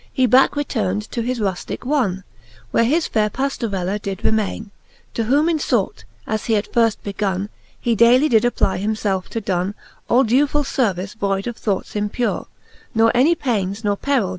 He backe returned to his ruftick wonne, Where his faire Pa/iorella did remaine : To whome in fort, as he at firft begonne. He daily did apply him felfe to donne All dewfuU fervice, voide of thoughts impure ; Ne any paines ne peril!